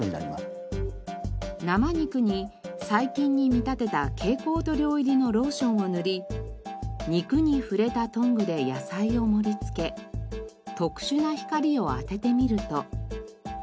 生肉に細菌に見立てた蛍光塗料入りのローションを塗り肉に触れたトングで野菜を盛りつけ特殊な光を当ててみると。